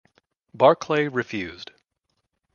Barclay refused.